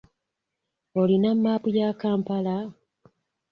Olina maapu ya Kampala?